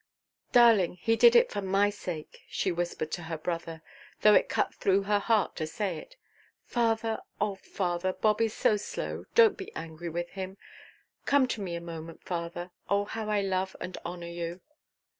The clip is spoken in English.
"Darling, he did it for my sake," she whispered to her brother, though it cut through her heart to say it. "Father, oh father, Bob is so slow; donʼt be angry with him. Come to me a moment, father. Oh, how I love and honour you!"